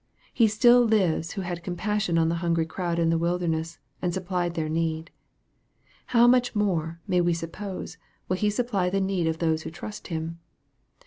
He still lives who had compassion on the hungry crowd in the wilderness, and supplied their need. How much more, may we suppose, will He supply the need of those who trust Him